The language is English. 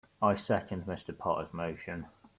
I second Mr. Potter's motion.